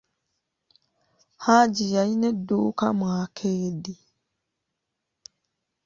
Hajji yalina edduuka mu akeedi.